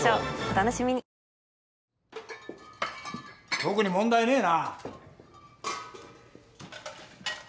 特に問題ねえな